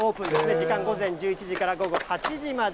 時間、午前１１時から午後８時まで。